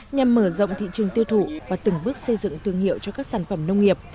nhằm mở rộng thị trường tiêu thụ và từng bước xây dựng thương hiệu cho các sản phẩm nông nghiệp